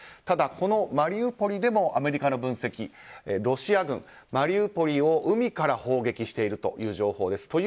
ただ、マリウポリでもアメリカの分析ではロシア軍、マリウポリを海から攻撃しているということです。